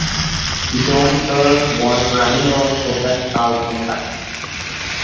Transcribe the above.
John Berg won a Grammy Award for Best Album Package.